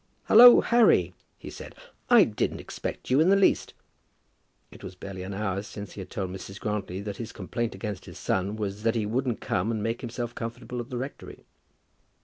"Halloo, Harry," he said. "I didn't expect you in the least." It was barely an hour since he had told Mrs. Grantly that his complaint against his son was that he wouldn't come and make himself comfortable at the rectory.